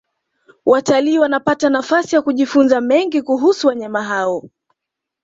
watalii wanapata nafasi ya kujifunza mengi kuhusu wanyama hao